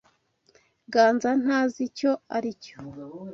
Ganza ntazi icyo aricyo.